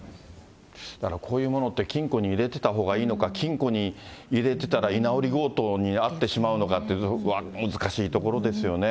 だからこういうものって、金庫に入れてたほうがいいのか、金庫に入れてたら、居直り強盗に遭ってしまうのかって、難しいところですよね。